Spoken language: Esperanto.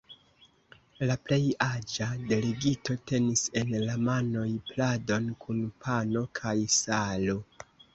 La plej aĝa delegito tenis en la manoj pladon kun pano kaj salo.